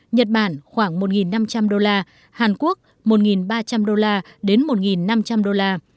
nhật bản khoảng một năm trăm linh đô la hàn quốc một ba trăm linh đô la đến một năm trăm linh đô la